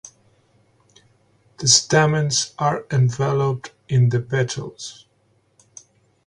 The stamens are enveloped in the petals.